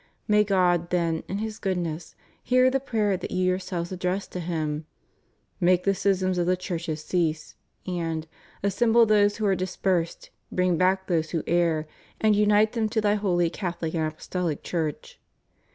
May God, then, in His goodness, hear the prayer that you yourselves address to Him: "Make the schisms of the churches cease," and " Assemble those who are dispersed, bring back those who err, and unite them to Thy Holy Cathohc and Apostohc Church."